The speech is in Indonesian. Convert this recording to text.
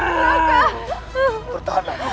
oh tidak raka